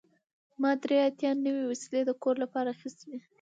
ما درې اتیا نوې وسیلې د کور لپاره اخیستې دي.